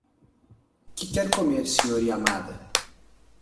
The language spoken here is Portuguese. Que quer comer, Sr. Yamada?